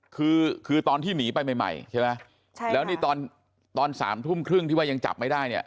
คือคือตอนที่หนีไปใหม่ใหม่ใช่ไหมใช่แล้วนี่ตอนตอนสามทุ่มครึ่งที่ว่ายังจับไม่ได้เนี่ย